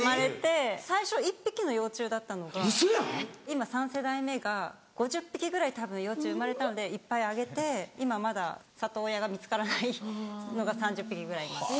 今３世代目が５０匹ぐらいたぶん幼虫生まれたのでいっぱいあげて今まだ里親が見つからないのが３０匹ぐらいいます。